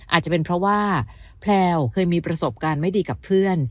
อาจจะเป็นเพราะว่าแพลวเคยมีประสบการณ์ไม่ดีกับเพื่อน